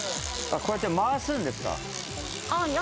こうやって回すんですか？